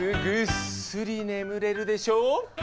ぐっすり眠れるでしょう？